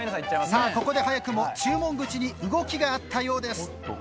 さあここで早くも注文口に動きがあったようです。